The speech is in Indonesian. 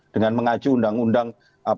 dengan mengacu undang undang